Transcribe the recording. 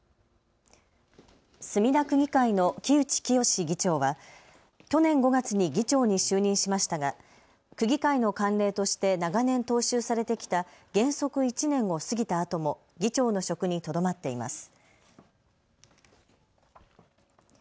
墨田区議会の木内清議長は去年５月に議長に就任しましたが区議会の慣例として長年踏襲されてきた原則１年を過ぎたあとも議長の職にとどまっています。